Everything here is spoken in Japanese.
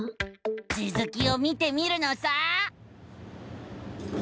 つづきを見てみるのさ！